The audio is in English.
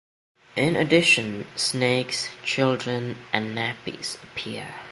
In addition, snakes, children, and nappies appear.